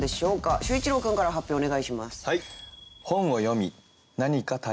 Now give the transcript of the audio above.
秀一郎君から発表お願いします。